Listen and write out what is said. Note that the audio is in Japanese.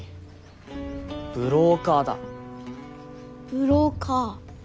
ブローカー？